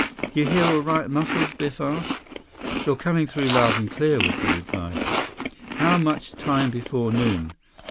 "You hear all right, Muscles?" Biff asked. "You're coming through loud and clear," was the reply. "How much time before noon?"